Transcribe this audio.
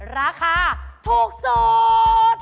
ราคาถูกสุด